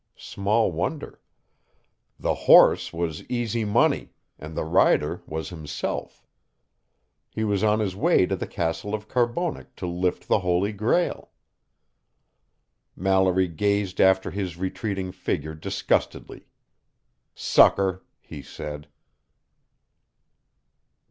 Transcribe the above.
Small wonder: the "horse" was Easy Money and the rider was himself. He was on his way to the castle of Carbonek to lift the Holy Grail. Mallory gazed after his retreating figure disgustedly. "Sucker!" he said.